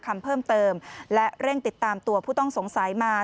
คำเพิ่มเติมและเร่งติดตามตัวผู้ต้องสงสัยมา